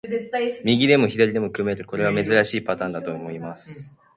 右でも左でも組める、これは珍しいパターンだと思います。